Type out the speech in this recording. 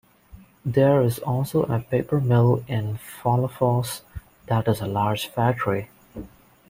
There is also a paper mill in Follafoss that is a large factory.